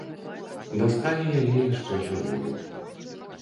Дасталі яе яшчэ жывую.